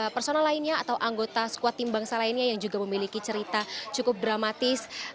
personal lainnya atau anggota squad tim bangsa lainnya yang juga memiliki cerita cukup dramatis